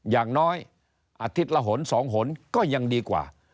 อย่างน้อยอาทิตย์ละหน๒หนก็ยังดีกว่า